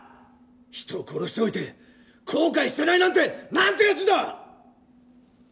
人を殺しておいて後悔してないなんてなんて奴だ！